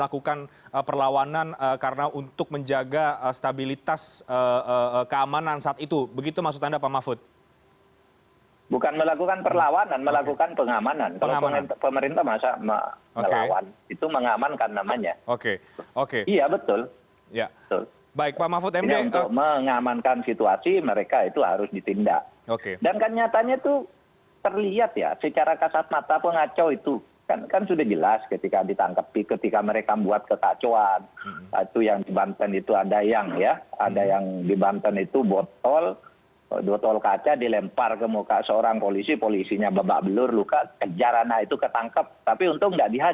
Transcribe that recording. karena memang melakukan itu